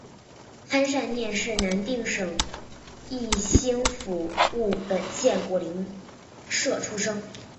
潘善念是南定省义兴府务本县果灵社出生。